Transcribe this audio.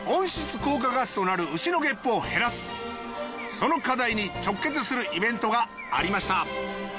その課題に直結するイベントがありました。